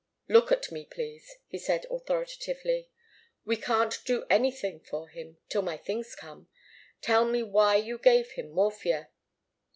"Look at me, please," he said, authoritatively. "We can't do anything for him till my things come. Tell me why you gave him morphia."